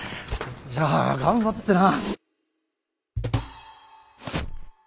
じゃあ頑張ってな。